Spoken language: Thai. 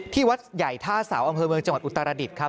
วัดใหญ่ท่าเสาอำเภอเมืองจังหวัดอุตรดิษฐ์ครับ